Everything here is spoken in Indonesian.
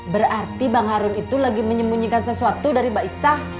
berarti bang harun itu lagi menyembunyikan sesuatu dari mbak isah